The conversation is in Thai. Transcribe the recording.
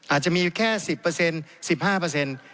อาจจะมีแค่๑๐เปอร์เซ็นต์๑๕เปอร์เซ็นต์